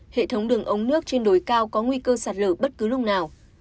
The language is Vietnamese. hệ thống đường ống nước trên đồi cao có nguy cơ sạt lở bất cứ lúc nào